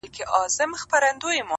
o حقيقت له کيسې نه لوی دی,